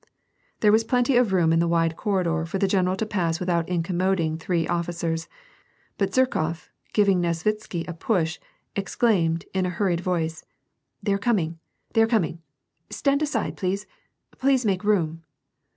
There was plenty of room in the wide corridor for the gen erals to pass without incommoding the three officers; but Zherkof, giving Nesvitsky a push, exclaimed, in a hurried voice, —" They are coming ! they are coming ! Stand aside, please ! Please make room